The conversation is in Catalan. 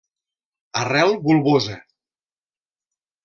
Arrel bulbosa.